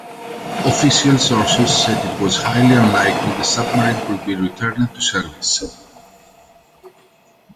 Official sources said it was "highly unlikely" the submarine could be returned to service.